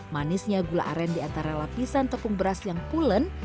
manisnya gula aren di antara lapisan tepung beras yang pulen